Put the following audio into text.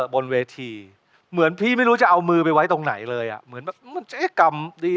บนเวทีเหมือนพี่ไม่รู้จะเอามือไปไว้ตรงไหนเลยอ่ะเหมือนแบบมันใจกรรมดี